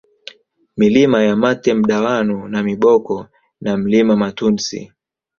Milima ya Matemdawanu Namiboko na Mlima Matundsi